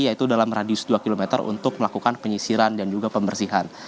yaitu dalam radius dua km untuk melakukan penyisiran dan juga pembersihan